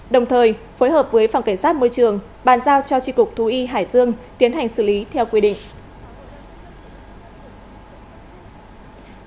đồng thời phối hợp với phòng cảnh sát môi trường bàn giao cho tri cục thú y hải dương tiến hành xử lý theo quy định